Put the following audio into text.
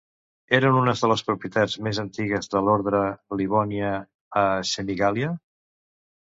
Eren unes de les propietats més antigues de l'Orde Livonià a Semigàlia.